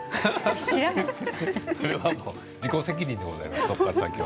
そこから先は自己責任でございます。